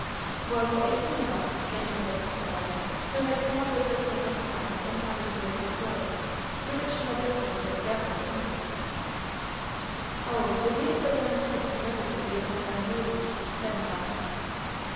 "Well, what became of 'em?" interposed Sally, who had come up with her pan of clams in time to hear this story, to which she had listened with breathless interest. "Oh, the beautiful young prince married the beautiful young lady," said Mara.